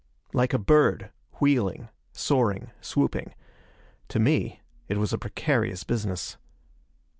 Like a bird, wheeling, soaring, swooping. To me, it was a precarious business.